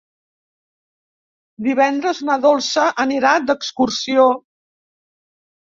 Divendres na Dolça anirà d'excursió.